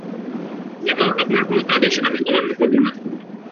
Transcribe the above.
এবং আপনার কোন আদেশ আমি অমান্য করব না।